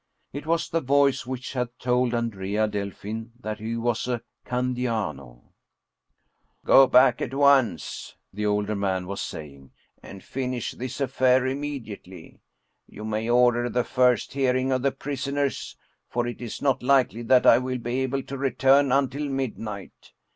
It was the voice which had told Andrea Delfin that he was a Candiano. 69 German Mystery Stories " Go back at once," the older man was saying, " and finish this affair immediately. You may order the first hear ing of the prisoners, for it is not likely that I will be able to return until midnight.